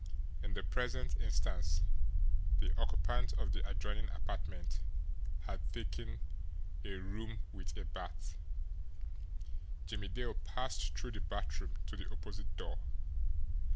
In the present instance, the occupant of the adjoining apartment had taken "a room with a bath." Jimmie Dale passed through the bathroom to the opposite door.